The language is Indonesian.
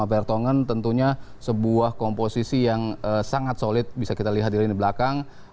dan sama pertongen tentunya sebuah komposisi yang sangat solid bisa kita lihat di belakang